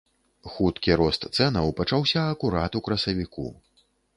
Хуткі рост цэнаў пачаўся акурат у красавіку.